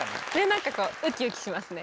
なんかこうウキウキしますね。